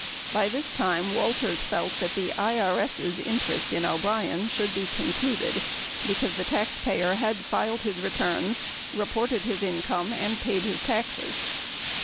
By this time, Walters felt that the IBS' interest in O'Brien should be concluded because the taxpayer had filed his returns, reported his income, and paid his taxes.